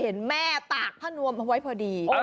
เห็นแม่ตากผ้านวมเอาไว้พอดี